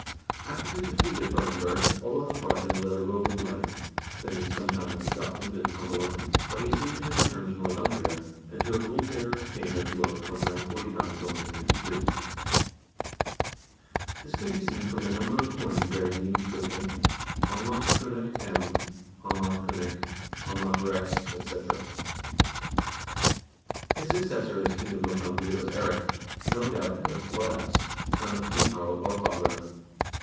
After his defeat at Brunanburh Olav Kvaaran led a roving life, spending some time in Scotland and Cumberland, but he seems to have returned to Northumbria, and to have ruled there as king of York from 949 till 952. This can be seen from a number of coins bearing the inscription, Anlaf Cununc M., *i* Anlaf Cununc, *h Onlaf Rex, etc. His successor as king of Northumbria was Eirik, no doubt Eirik Blood Ax, son of King Harald Haarfagre.